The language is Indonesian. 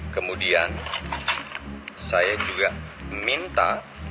kemudian saya juga minta